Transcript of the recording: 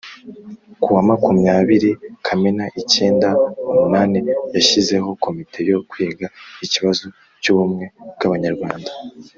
ku wa makumyabiri Kamena icyenda umunani, yashyizeho Komite yo kwiga ikibazo cy'ubumwe bw'Abanyarwanda,